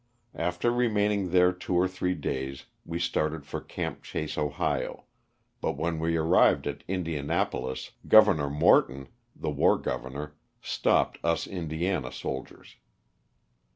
After remaining there two or three days we started for *^Camp Chaso," Ohio, but when we arrived at Indianapolis Gov. Morton, the war governor, stopped us Indiana soldiers.